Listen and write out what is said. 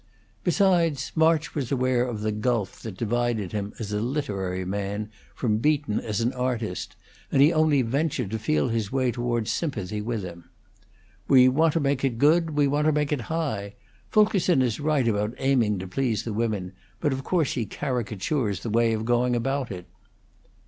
Besides, March was aware of the gulf that divided him as a literary man from Beaton as an artist, and he only ventured to feel his way toward sympathy with him. "We want to make it good; we want to make it high. Fulkerson is right about aiming to please the women, but of course he caricatures the way of going about it."